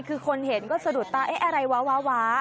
คือคนเห็นสะดดตาเอ้ยอะไรว้าว้าว้า